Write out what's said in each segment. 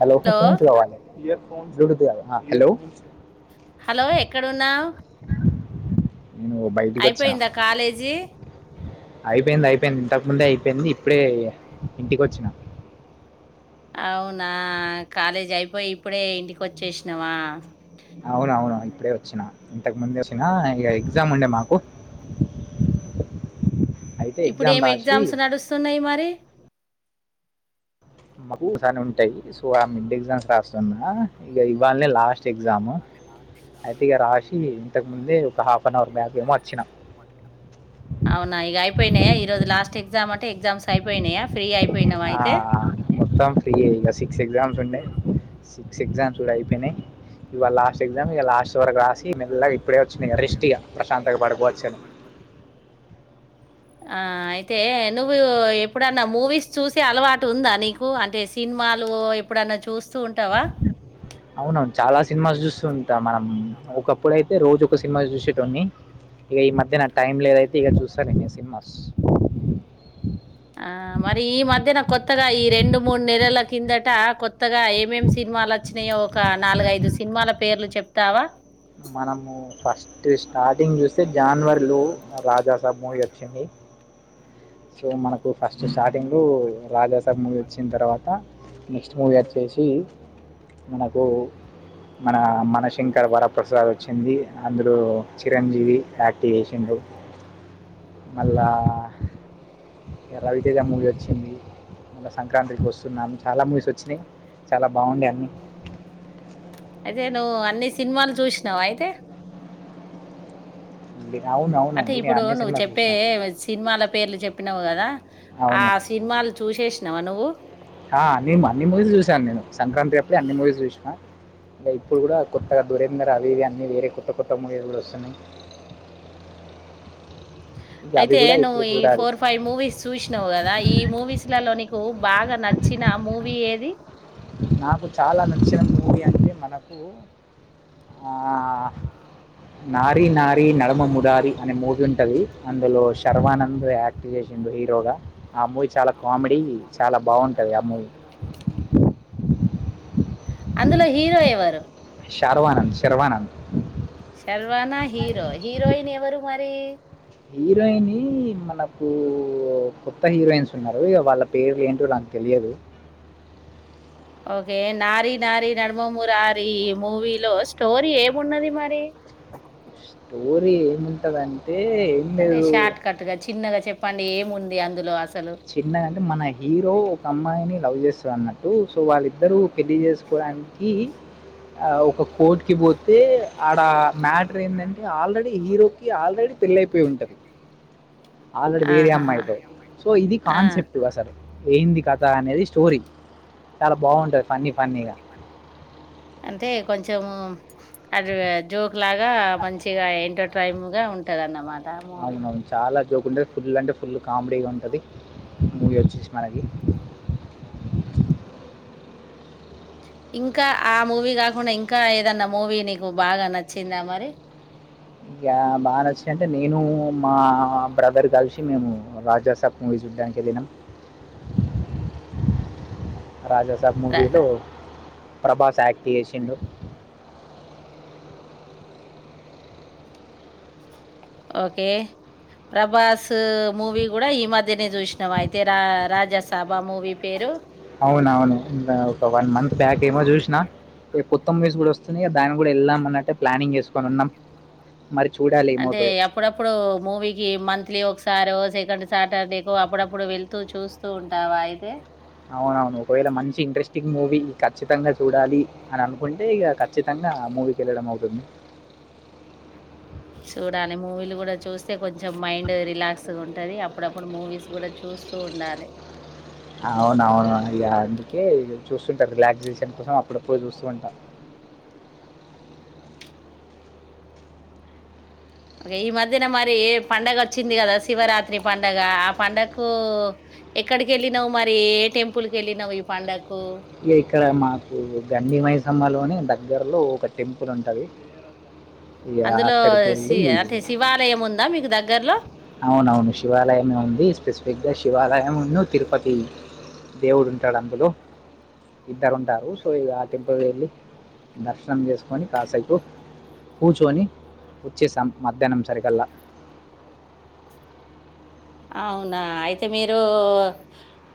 Hello ఒకకపోన్స్ కావాలి ఇయర స్ హలో హలో ఎక్కడున్నావూ నేను బయటికి అయిపోయిందా కాలేజీ అయిపేయింది అయిపేయింది ఇంతకు ముందే అయిపోయింది ఇప్పుడే ఇంటికొచ్చినా అవునా కాలేజ్ అయిపోయి ఇప్పుడే ఇంటికి ఓచ్చేసినవా అవునవును ఇప్పుడే ఓచ్చినా ఇంతకు ముందు వచ్చినా ఇగ ఎగ్జామ్ ఉండే మాకు అయితే ఇప్పుడు ఎగ్జామ్ ఏమి రాసి ఎగ్జామ్స్ నడుస్తున్నయి మరీ మాకు సని ఉంటయి సో ఆ మిడ్ ఎగ్జామ్స్ రాస్తున్నా ఇగ ఇవ్వాలనే లాస్ట్ ఎగ్జామ్ అయితే ఇగ రాస్ ఇ ఇంతకు ముందే ఒక హాఫ్ వన్ అవర్ బ్యాక్ మో అచ్చిన పోయినయ ఈరోజు లాస్ట్ ఎగ్జామట ఎగ్జామ్స్ అయిపోయినయ ఆ మొత్తం ఫ్రీ ఎ ఇగ సిక్స్ ఎగ్జామ్స్ ఉండే సిక్స్ ఎగ్జామ్స్ గుడా అయిపేయినయి ఇవల లాస్ట్ ఎగ్జామ్ ఇగ లాస్ట్ వరకు రాసి మెల్లగా ఇప్పుడే వచ్చిన ఇగ రెస్ట్ ఇగ ప్రశాంతంగా పడుకొవచ్చు ఆ అయితే నువ్వు ఎప్పుడన్నా మూవీస్ చూసే అలవాటు ఉందా నీకు అంటే సినిమాలు ఎప్పుడన్నా చూస్తూ ఉంటవా అవునవును చాలా సినిమాస్ చూస్తు ఉంట మనం ఒకప్పుడయితే రోజు ఒక సినిమా చూసేటోన్ని ఈ మధ్య నా టైమ్ లేదైతే ఇగ చూ చూస్తలేను సినిమాస్ ఆ మరి ఈ మధ్యన కొత్తగా ఈ రెండు మూడు నెలల కిందటా కొత్తగా ఎమేంమేం సినిమాలు అ చ్చినాయో ఒక నాలుగైదు సినిమాల పేర్లు చెప్తావా మనము ఫస్ట్ స్టార్టింగ్ జు అ జాన్వరిలో రాజాసబ్ మూవీ వచ్చింది సో మనకు ఫస్ట్ స్టార్టింగూ రాజాసబ్ మూవీ ఓచ్చిన తర్వాత నెక్స్ట్ మూవీ అచ్చేసి మనకు మన శంకరవర ప్రసాద్ ప్రసాదూ ఓచ్చింది అందులో చిరంజీవి యాక్ టీవేశిండు అల్లా ఇగ రవితేజ మూవీ ఓచ్చింది మల్ల సంక్రాంతికి ఓస్తున్నాం చాలా మూవీస్ ఓచ్చినయి చాలా బాగుండే అన్నీ నూ అన్ని సినిమాలు చూసినవా అయితే డి అంటే ఇప్పుడు నువ్వు చెప్పే సినిమాల పేర్లు చెప్పినావు కదా దా ఆ అవును సినిమాలు చూసేసి నవ నువు ఆ అది మళ్ళీ మూవీస్ చూసాను నేను సంక్రాంతి అన్ని మూవీస్ చూసిన అంటే ఇప్పుడు గుడా కొత్తగా దూరేందర్ అవి ఇవి అన్నీ వేరే కొత్త కొత్త మూవీస్ కూడా వస్తున్నాయి ఇక అవి అయితే కూడా నువ్వు ఇప్పుడు ఈ చూడాలి ఫోర్ ఫైవ్ మూవీస్ చూసినావు కదా ఈ మూవీస్ లలో నిక్ కు బాగా నచ్చిన మూవీ ఏది నాకు చాలా నచ్చిన మూవీ అంటే మనకు ఆ నారి నారి నడమ మురారి అనే మూవీ ఉంటది అందులో శర్వానంద్ యాక్ట్ చేసిండు హీరోగా ఆ మూవీ చాలా కామెడీ చాలా బాగుంటది ఆ మూవీ అందులో హీరో ఎవరు శార్వానంద్ శర్వానంద్ శషర్వానా హీరో హీరోయిన్ ఎవరు మరి హీరోయినీ మనకు కొత్త హీరోయిన్స్ ఉన్నారు వాళ్ళ పేర్లు ఏంటో నాకు తెలియదు ఓకే నారీ నారి నడుమ మురారి మూవీలో స్టోరీ ఏమున్నది మరి స్టోరీ ఏముంటదంటే అంటే షార్ట్ కట్ గా చిన్నగా చెప్పండి ఏం ఉంది అందులో అసలు? చిన్నగా అంటే మన హీరో ఒక అమ్మాయిని లవ్ చేస్తరు అన్నట్టు సో వాళ్ళిద్దరూ పెళ్లి జేసుకోవడానికి ఆహ్ ఒక కోర్ట్కి పోతే ఆడ మ్యాటర్ ఏందంటే ఆల్రెడీ హీరోకి ఆల్రెడీ పెళ్ళయిపోయి ఉంటది ఆల్రెడీ వేరే ఆహాహా! అమ్మాయితో సో ఇది ఆ! కాన్సెప్ట్ అసలు ఏంది కథ అనేది స్టోరీ చాలా బాగుంటుంది ఫన్నీ బాగుంటది ఫన్నీ ఫన్నీగా అంటే కొంచెం చము అది జోక్ లాగా మంచిగా ఎంటర్టైంగా ఉంటది అన్నమాట ఆ మూవీ అవునవును చాలా జోక్ ఉంటే ఫుల్ అంటే ఫుల్ కామెడీగా ఉంటది మూవీ వచ్చేసి మనకి ఇంకా ఆ మూవీ కాకుండా ఇంకా ఏదన్నా మూవీ నీకు బాగా నచ్చిందా మరీ యా బాగా నచ్చినట్టే నేను మా బ్రదర్ కలిసి మేము రాజాసాబ్ మూవీ చూడ్డానికి వెళ్ళినం రాజా సాబ్ రా- మూవీలో ప్రభాస్ యాక్ట్ జేసిండు ఓకే ప్రభాసు మూవీ కూడా ఈ మధ్యనే చూసినాం అయితే రా రాజాసాభా మూవీ పేరు అవునౌను వన్ మంత్ బ్యాక్ ఏమో చూసినా కొత్త మూవీస్ కూడా వస్తున్నాయి దానికి కూడా వెళ్దాం అన్నట్టే ప్లానింగ్ వేసుకొని ఉన్నాం మరి చూడాలి అంటే ఏమవుతదో. ఎప్పుడప్పుడు మూవీకి మంత్లీ ఒకసారో సెకండు సాటర్డేకు అప్పుడప్పుడు వెళ్తూ చూస్తూ ఉంటావా అయితే అవునవును ఒకవేళ మంచి ఇంట్రెస్టింగ్ మూవీ ఖచ్చితంగా చూడాలి అని అనుకుంటే ఇక ఖచ్చితంగా మూవీకి వెళ్ళడం అవుతుంది చూడాలి మూవీలు కూడా చూస్తే కొంచెం మైండ్ రిలాక్స్ ఉంటది అప్పుడప్పుడు మూవీస్ కూడా చూస్తూ ఉండాలి అవునవును ఇగ అందుకే చూస్కు చూస్తుంటాను రిలాక్సేషన్ కోసం అప్పుడప్పుడు చూస్తూ ఉంటా ఈ మధ్యన మరి ఏ పండుగ వచ్చింది కదా శివరాత్రి పండగ ఆ పండక్కు ఎక్కడికి యెళ్ళినావు మరీ ఏ టెంపుల్కి యెళ్ళినావు ఈ పండక్కు ఈ ఇక్కడ మాకు గండి మైసమ మైసమ్మలోని దగ్గరలో ఒక టెంపుల్ ఉంటుంది అందులో శి అంటే శివాలయం ఉందా మీకు దగ్గర్లో అవునౌను శివాలయమే ఉంది పెద్దగా శివాలయం తిరుపతి దేవుడు ఉంటాడు అందులో ఇద్దరు ఉంటారు సో ఆ టెంపుల్ వెళ్ళి దర్శనం చేసుకొని కాసేపు కూర్చోని వచ్చేసాం మధ్యాహ్నం సరికల్లా అవునా అయితే మీరు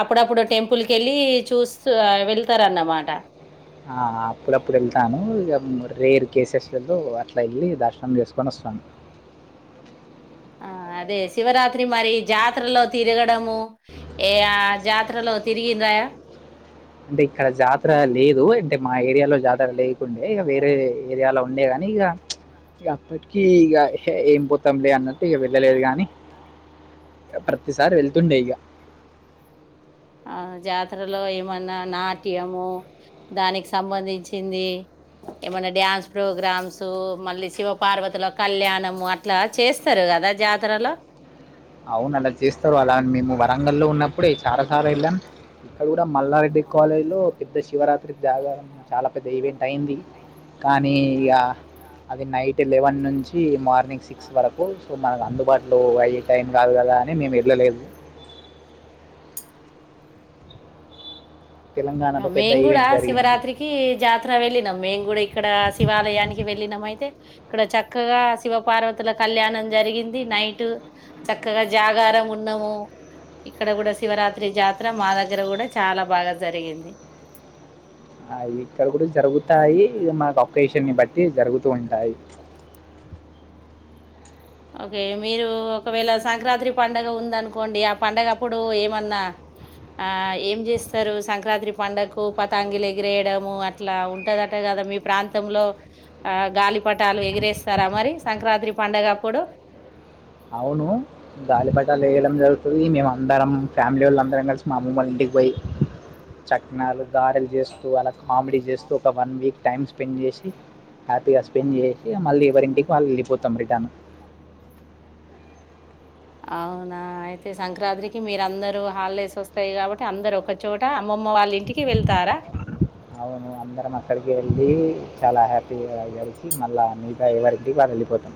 అప్పుడప్పుడు టెంపుల్కి వెళ్ళి చూస్త వెళ్తారన్నమాట ఆ ఆ అప్పుడప్పుడు వెళ్తాను ఇగ రేర్ కేసెస్ లల్లో అట్లా వెళ్ళి దర్శనం చేసుకొని వస్తాము ఆ అదే శివరాత్రి మరి జాతరలో తిరగడము ఏ యా జాతరలో తిరిగిండ్రా అంటే ఇక్కడ జాతర లేదు అంటే మా ఏరియాలో జాతర లేకుండే ఇక వేరే ఏరియాలో ఉండే గాని ఇక అప్పటికి ఇక ఏం పోతాంలే అన్నట్టు ఇక వెళ్ళలేదు గాని ప్రతిసారి వెళ్తుండే ఇక ఆ జాతరలో ఏమన్నా నాట్యము దానికి సంబంధించింది ఏమన్నా డ్యాన్స్ ప్రోగ్రామ్స్ మళ్ళీ శివ పార్వతిలో కళ్యాణము అట్లా చేస్తారు కదా జాతరలో అవును అలా చేస్తారు అలాని మేము రంగంలో ఉన్నప్పుడే చాలాసార్లు వెళ్ళాను ఇక్కడ కూడా మల్లారెడ్డి కాలేజ్లో పెద్ద శివరాత్రి జాగ చాలా పెద్ద ఈవెంట్ అయింది కానీ ఇక అది నైట్ లెవెన్ నుంచి మార్నింగ్ సిక్స్ వరకు సో మనకు అందుబాటులో అయి టైం కాదు కదా అని మేము వెళ్ళలేదు తెలంగాణలో పెద్ద మేమ్ గుడా ఈవెంట్ జరిగింది శివరాత్రికీ జాతర వెళ్ళినం మేం గుడా ఇక్కడా శివాలయానికి వెళ్ ళినం ఐతే ఇక్కడ చక్కగా శివ పార్వతుల కళ్యాణం జరిగింది నైట్ చక్కగ జాగారం ఉన్నమూ ఇక్కడ గుడా శివరాత్రి జాతర మా దగ్గర గుడా చాలా బాగా జరిగింది ఆ ఇక్కడ కుడ జరుగుతాయి మాక్ పపేష్ బట్టి జరుగుతూ ఉంటాయి ఓకే మీరూ ఒకవేళ సంక్రాంతి పండుగ ఉందనుకోండి ఆ పంండగ అప్పుడు ఏమన్నా ఆ ఏం చేస్తరు సంక్రాంతి పండకు పతాంగిలు ఎగిరేయడము అట్లా ఉంటదట కదా మీ ప్రాంతంలో ఆ గాలిపటాలు ఎగిరేస్తారా మరి సంక్రాంతి పండగప్ పుడు అవును గాలిపటాలు ఏయడం జరుగుతది మేమ్ అందరం ఫ్యామిలోళ్ళం అందరం కలిసి మామమ్మొళ్ ఇంటికి వోయ్ చక్నాలు గారల్ చేస్తూ అలా కామెడీ చేస్తూ ఒక వన్ వీక్ టైమ్ స్పెండ్ చేషి హ్యాపీగా స్పెండ్ చేసి మళ్ళీ ఎవరింటికి వాళ్ ఎళ్ళిపోతాం రిటర్న్ అవునా ఐతే సంక్రాంతికి మీర్ అందరూ హల్లేస్ ఒస్తాయి కాబట్టి అందర్ ఒకచోట అమ్మమ్మ వాళ్ళింటికి వెళ్తారా ఈ చాలా హ్యాపీగా గలిసి మళ్ళా మీతా ఎవరింటిక్ వాళ్ ఎళ్ళిపోతం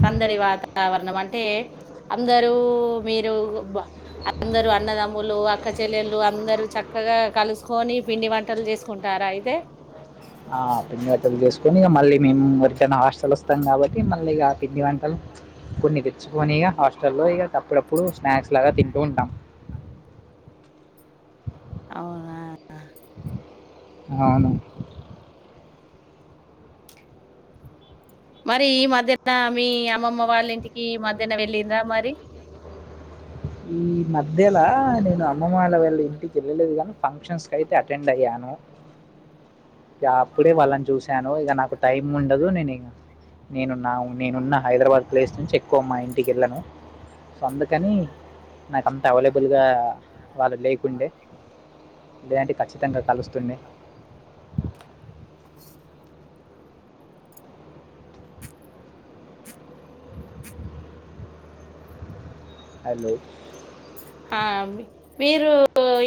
సందడి వాతావరణం అంటే అందరూ మీరూ అందరు అన్నదమ్ములు అక్క చెల్లెళ్ళలు అందరు చక్ కగా కలుసుకోని పిండి వంటల్ చేసుకుంటారా అయితే ఆ పిండి వంటల్ చేసుకొని ఇగ మళ్ళీ మేము ఎరికైనా హాస్టల్ వస్ అం కాబట్టి మళ్ళిగ పిండి వంటల్ కొన్ని తెచ్చుకోనిగ హాస్టల్లో ఇగ అప్పుడప్పుడు స్నాక్స్ లాగా తింటూ ఉంటాం ఔనా ఔను మరీ ఈ మధ్యనా మీ అమ్మమ్మ వాళ్ళింటికీ ఈ మధ్యన వెళ్ళిండ్రా మరి ఈ మధ్యలా నేన్ అమ్మమాల వాళ్ళింటికి ఎళ్ళలేదు గానీ ఫంక్షన్స్ క అయితే అటెండ్ అయ్యాను గా అప్పుడే వాళ్ళని చూశాను ఇగ నాకు టైం ఉండదు నేన్ ఇగ నేను నా నేనున్నా హైదరాబాద్ ప్లేస్ నుంచి ఎక్కువ మా ఇంటిక్ ఎళ్ళను సొ అందుకనీ నాక్ అంత అవైలబుల్గా వాళ్ళు లేకుండె లేదంటె ఖచ్చితంగా కలుస్తుండె హలో హా మీరూ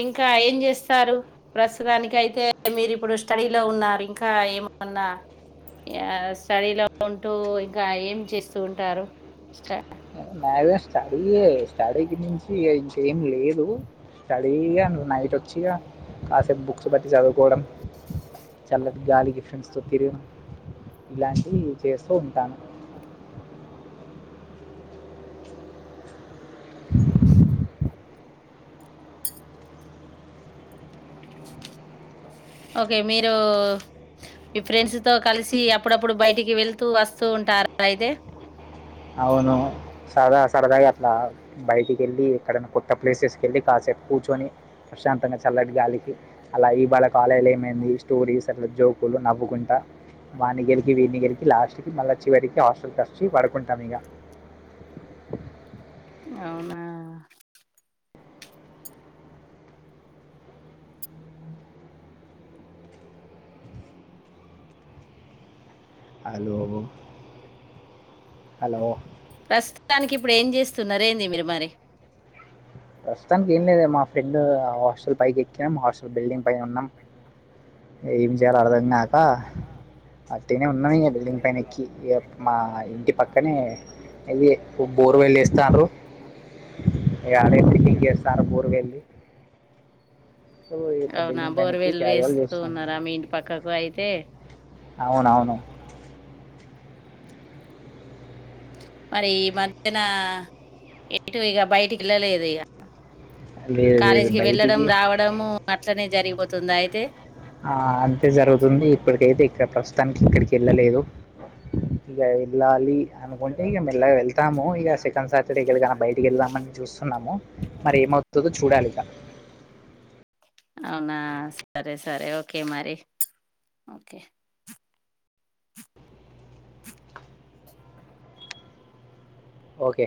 ఇంకా ఏం చేస్తారు ప్రస్తుతానికైతె మీరు ఇప్పుడు స్టడీలో ఉన్నారు ఇంకా ఏమన్నా ఆ స్టడీలో ఉంటూ ఇంకా ఏం చేస్తూ ఉంటారు స్ట స్టడీయే స్టడీకి మించి ఇగ ఇంకేం లేదూ స్టడీ న నైట్ ఒచ్చిగా కాసేపు బుక్స్ పట్ చదువుకోవడం చల్ల గాలికి ఫ్రెండ్స్తో తిరిగ ఇలాంటివి చేస్తూ ఉంటాను ఓకె మీరూ మీ ఫ్రెండ్స్ తో కలిసి అప్పుడప్పుడు బయటికి వెళ్తూ వస్తూ ఉంటారు ఐతే అవును సదా రదాగా అట్లా బయటిక్ ల్లీ ఎక్కడైన కొత్త ప్లేసెస్కెల్లి కాసేప్ కూర్చొని ప్రశాంతంగ చల్లటి గాలికి అలా ఈబాల కాలేజ్ల ఏమైంది స్టోరీస్ అట్ల జోకులు నవ్వుకుంట వాన్ని గెలికి వీన్ని గెలికి లాస్ట్ కి మల్ల చివరికి హాస్టల్కొచ్చి పడు కొంటమిగా అవునా హలో హలో ప్రస్తుతానికి ఇప్పుడ్ ఏం చేస్తున్నార్ ఏంది మీర్ మరి ప్రస్తుతానికి ఏం లేద మా ఫ్రెండ్ ఆ హాస్టల్ పైకి ఎక్కాం హాస్టల్ బిల్డింగ్ పైనున్నాం ఏం చేయాలో అర్థం కాక అట్టిగనే ఉన్నం ఇగ బిల్డింగ్ పైన ఎక్కి, మా ఇంటి పక్కనే ఇది బోర్వెల్ ఏస్తాండ్రు. ఇగ అదే బిల్డింగ్ కి ఏస్తాండ్రు బోర్వెలి ఇట్లా అవునా బిల్డింగ్ పైన ఎక్కి బోర్వెల్ క్యాజువల్ వేస్తూ చేస్తాను ఉన్నారా మీ ఇంటి పక్కకు అయితే, అవునవును మరి ఈ మధ్యన ఎటు ఇగ బయటికి ఎళ్ళలేదు ఇగ లేదు లేదు కాలేజీకిి వెళ్ళడం బయటికి రావడము అట్లనే జరిగిపోతుందా అయితే ఆ అంతే జరుగుతుంది ఇప్పడికైతే ఇక్కడ ప్రస్తు తానికి ఎక్కడికి ఎళ్ళలేదు. ఇగ ఎళ్ళాలి అనుకుంటే ఇగ మెల్లగా ఎళ్తాము ఇగ సెకండ్ సాటర్డే ఎక్కడికైన బయటికి వెళ్దామని చూస్తున్నాము, మరి ఏమవుతదో చూడాలి ఇగ. అవునా సరే సరే ఓకే మరి ఓకే. ఓకే